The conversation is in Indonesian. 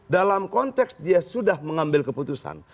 dan di konteks dia sudah mengambil keputusan